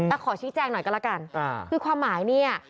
ขอชี้แจงหน่อยก็แล้วกันคือความหมายเนี่ย